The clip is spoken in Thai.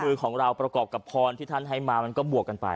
มือของเราประกอบกับพรที่ท่านให้มามันก็บวกกันไป